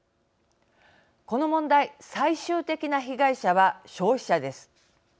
この問題、最終的な被害者は消費者です。